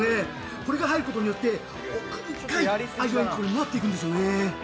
これが入ることによって奥深い味わいになっていくんですよね。